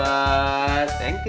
mas makasih ya